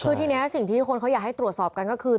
คือทีนี้สิ่งที่คนเขาอยากให้ตรวจสอบกันก็คือ